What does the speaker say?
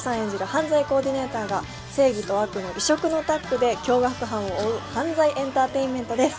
犯罪コーディネーターが正義と悪の異色のタッグで凶悪犯を追う犯罪エンターテインメントです